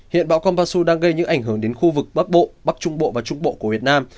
hiện bão kombasu đang gây những ảnh hưởng đến khu vực bắc bộ bắc trung bộ và trung bộ của việt nam